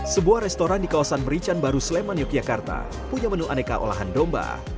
sebuah restoran di kawasan merican baru sleman yogyakarta punya menu aneka olahan domba